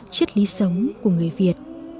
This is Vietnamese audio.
chất lý sống của người việt